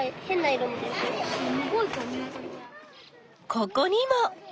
ここにも！